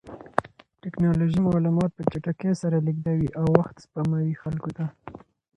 ټکنالوژي معلومات په چټکۍ سره لېږدوي او وخت سپموي خلکو ته.